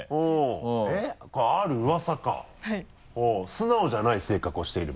「素直じゃない性格をしている」